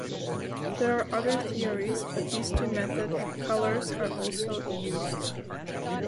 There are other theories but these two method of colors are also used.